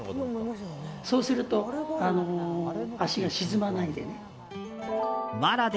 そうすると足が沈まないので。